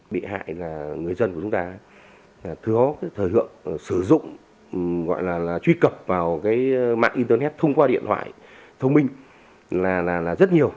bị hại là người dân của chúng ta thừa thời hợp sử dụng gọi là truy cập vào mạng internet thông qua điện thoại thông minh là rất nhiều